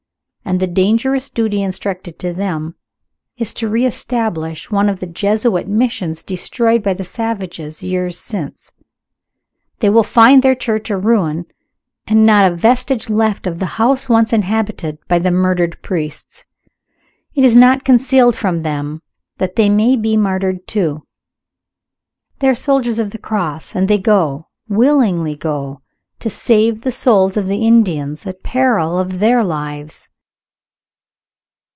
And the dangerous duty intrusted to them is to re establish one of the Jesuit Missions destroyed by the savages years since. They will find their church a ruin, and not a vestige left of the house once inhabited by the murdered priests. It is not concealed from them that they may be martyred, too. They are soldiers of the Cross; and they go willingly go to save the souls of the Indians, at the peril of their lives."